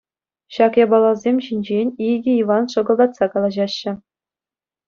Ҫак япаласем ҫинчен икӗ Иван шӑкӑлтатса калаҫаҫҫӗ.